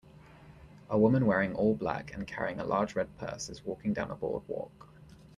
A woman wearing all black and carrying a large red purse is walking down a boardwalk.